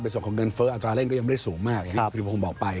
ส่วนของเงินเฟ้ออัตราเร่งก็ยังไม่ได้สูงมากอย่างที่กิริพงศ์บอกไป